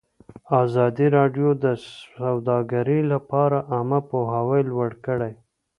ازادي راډیو د سوداګري لپاره عامه پوهاوي لوړ کړی.